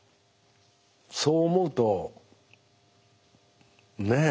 そう思うとねえ